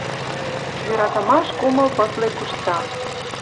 Йӧратымаш кумылПызле кушта